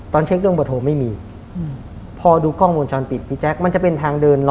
ตอนเช็คเรื่องบทโทรไม่มีพอดูกล้องวงจรปิดมันจะเป็นทางเดิน